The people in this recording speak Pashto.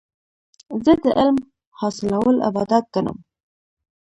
زه د علم حاصلول عبادت ګڼم.